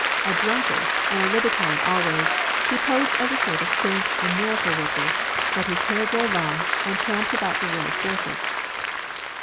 A drunkard, and a libertine always, he posed as a sort of saint and miracle worker, let his hair grow long, and tramped about the world barefoot.